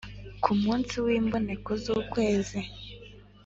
Ku munsi w imboneko z ukwezi